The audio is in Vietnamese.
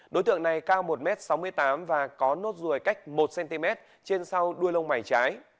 đối tượng này cao một m sáu mươi tám và có nốt ruồi cách một cm trên sau đuôi lông mày trái